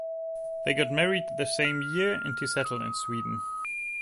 They got married the same year and he settled in Sweden.